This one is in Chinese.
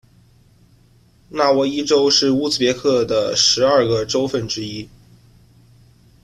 纳沃伊州是乌兹别克十二个州份之一。